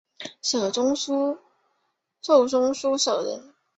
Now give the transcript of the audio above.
授中书舍人。